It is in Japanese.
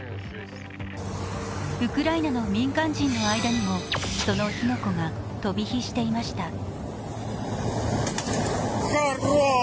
ウクライナの民間人の間にもその火の粉が飛び火していました。